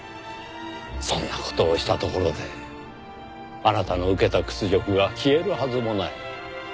そんな事をしたところであなたの受けた屈辱が消えるはずもない。